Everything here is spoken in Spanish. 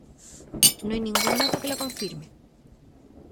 No hay ningún dato que lo confirme.